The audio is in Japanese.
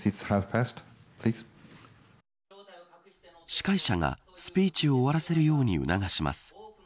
司会者がスピーチを終わらせるように促します。